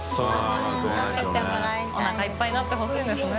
おなかいっぱいになってほしいんですね。